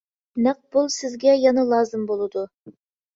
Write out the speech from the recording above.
نەق پۇل سىزگە يەنە لازىم بولىدۇ.